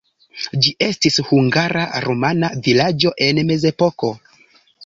Ĝi estis hungara-rumana vilaĝo en mezepoko.